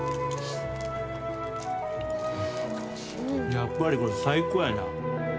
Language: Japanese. やっぱり、これ、最高やな。